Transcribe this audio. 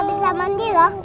bisa mandi loh